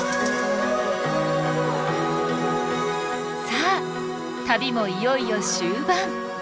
さあ旅もいよいよ終盤！